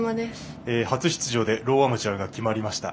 初出場でローアマチュアが決まりました。